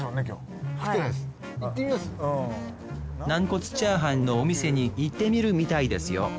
なんこつチャーハンのお店に行ってみるみたいですよ